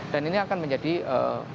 dan ini akan menjadi ee